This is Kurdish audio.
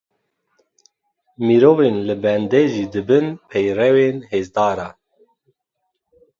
Mirovên li bende jî dibin peyrewên hêzdaran.